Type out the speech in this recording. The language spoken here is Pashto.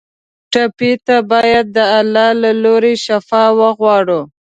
ټپي ته باید د الله له لورې شفا وغواړو.